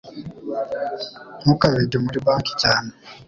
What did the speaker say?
Ntukabike muri banki cyane